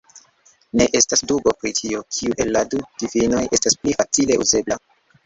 Ne estas dubo, pri tio, kiu el la du difinoj estas pli facile uzebla...